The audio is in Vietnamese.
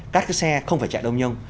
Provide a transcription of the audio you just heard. các xe không phải chạy đông nhông